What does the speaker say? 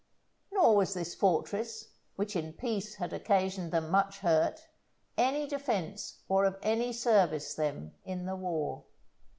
Nor was this fortress, which in peace had occasioned them much hurt, any defence or of any service them in war.